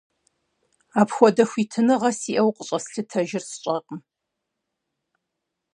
Апхуэдэ хуитыныгъэ сиӀэу къыщӀэслъытэжыр сщӀэркъым.